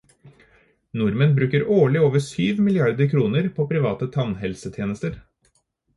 Nordmenn bruker årlig over syv milliarder kroner på private tannhelsetjenester.